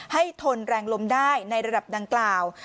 ทนแรงลมได้ในระดับดังกล่าว